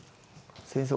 先生